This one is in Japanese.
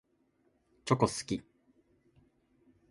チョコ好き。